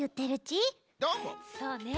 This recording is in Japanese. そうね